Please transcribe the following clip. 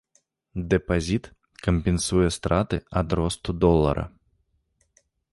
Дэпазіт кампенсуе страты ад росту долара.